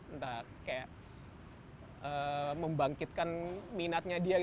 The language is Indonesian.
entah kayak membangkitkan minatnya dia